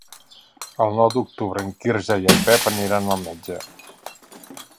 El nou d'octubre en Quirze i en Pep aniran al metge.